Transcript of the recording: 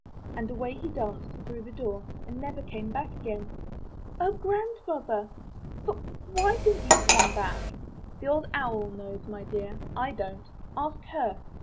And away he danced through the door and never came back again." 0 Grandmother! But why didn't he come back?" 'The Old Owl knows, my dear, I don't. Ask her."